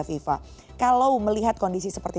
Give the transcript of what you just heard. fifa kalau melihat kondisi seperti